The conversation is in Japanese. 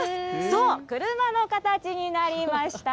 そう、車の形になりました。